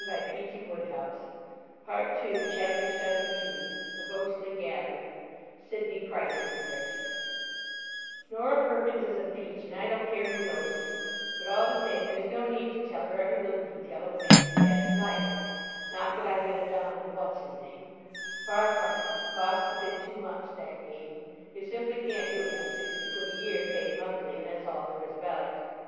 _ Sidney Price's Narrative CHAPTER 17 A GHOSTLY GATHERING Norah Perkins is a peach, and I don't care who knows it; but, all the same, there's no need to tell her every little detail of a man's past life. Not that I've been a Don What's his name. Far from it. Costs a bit too much, that game. You simply can't do it on sixty quid a year, paid monthly, and that's all there is about it.